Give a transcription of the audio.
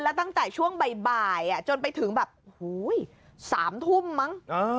แล้วตั้งแต่ช่วงบ่ายจนไปถึงแบบโอ้โห๓ทุ่มมั้ง